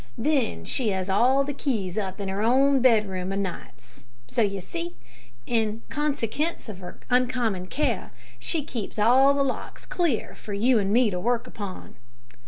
Then she 'as all the keys up into her own bedroom o' nights so, you see, in consikence of her uncommon care, she keeps all the locks clear for you and me to work upon!"